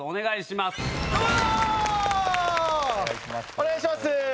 お願いします。